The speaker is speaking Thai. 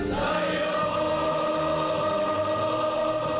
ไทยองค์